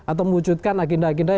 atau mewujudkan agenda agenda